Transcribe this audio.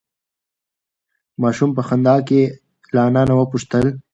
ماشوم په خندا کې له انا نه وپوښتل.